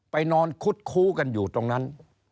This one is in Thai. ไปนอนคุดคู้กันอยู่ตรงนั้น